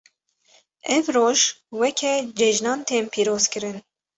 Ev roj weke cejnan tên pîrozkirin.